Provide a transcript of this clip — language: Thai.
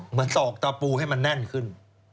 เหมือนตอกตาปูให้มันแน่นขึ้น